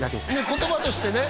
言葉としてね